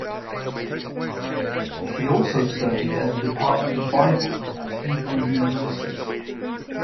He also studied at the department of Bible at Hebrew University.